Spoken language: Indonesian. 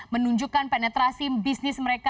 menunjukkan penetrasi bisnis mereka